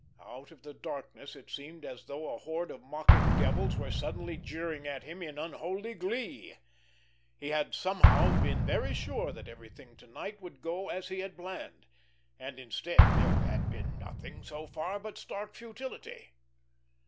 Out of the darkness it seemed as though a horde of mocking devils were suddenly jeering at him in unholy glee. He had somehow been very sure that everything to night would go as he had planned, and, instead, there had been nothing so far but stark futility.